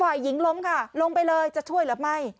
ฝ่ายหญิงล้มค่ะลงไปเลยจะช่วยหรือไม่